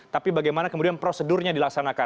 tapi bagaimana kemudian prosedurnya dilaksanakan